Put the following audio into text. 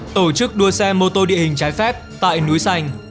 tổ chức đua xe mô tô địa hình trái phép tại núi sành